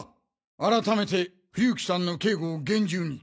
改めて冬木さんの警護を厳重に！